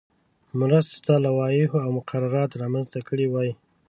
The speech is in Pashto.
مرستو ته لوایح او مقررات رامنځته کړي وای.